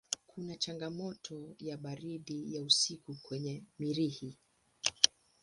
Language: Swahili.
Kuna changamoto ya baridi ya usiku kwenye Mirihi.